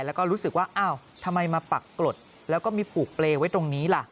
แล้วก็รู้สึกว่าอ้าวทำไมมาปักกรดแล้วก็มีผูกเปรย์ไว้ตรงนี้ล่ะ